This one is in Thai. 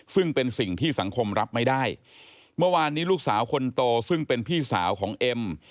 ซึ่งเป็นสิ่งที่สังคมรับไม่ได้เมื่อวานนี้ลูกสาวคนโตซึ่งเป็นพี่สาวของเอ็ม